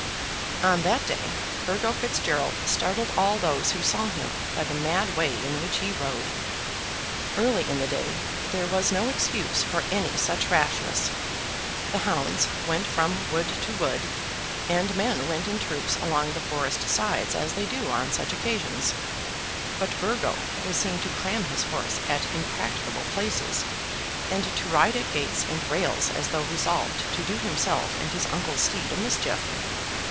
On that day Burgo Fitzgerald startled all those who saw him by the mad way in which he rode. Early in the day there was no excuse for any such rashness. The hounds went from wood to wood, and men went in troops along the forest sides as they do on such occasions. But Burgo was seen to cram his horse at impracticable places, and to ride at gates and rails as though resolved to do himself and his uncle's steed a mischief.